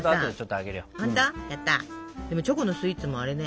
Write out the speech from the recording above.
でもチョコのスイーツもあれね